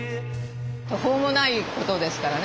途方もない事ですからね。